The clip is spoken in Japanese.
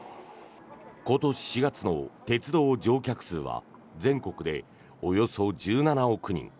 今年４月の鉄道乗客数は全国でおよそ１７億人。